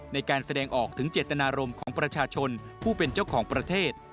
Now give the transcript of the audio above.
ในการแสดงออกถึงเจตนารมณ์ของประชาชนผู้เป็นเจ้าของประเทศ